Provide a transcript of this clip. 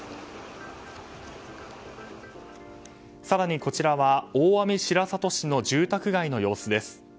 更にこちらは大網白里市の住宅街の様子です。